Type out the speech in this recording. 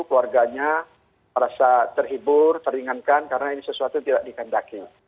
keluarganya merasa terhibur teringankan karena ini sesuatu tidak dikehendaki